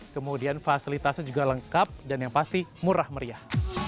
kemudian fasilitasnya juga lengkap dan yang pasti murah meriah